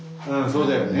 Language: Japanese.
そうだよね。